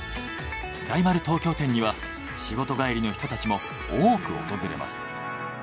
大丸東京店には仕事帰りの人たちも多く訪れます。